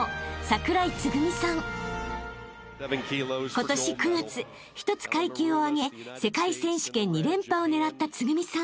［今年９月１つ階級を上げ世界選手権２連覇を狙ったつぐみさん］